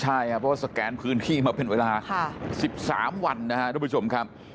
ใช่ครับเพราะว่าสแกนพื้นที่มาเป็นเวลา๑๓วันนะครับทุกผู้ชมครับ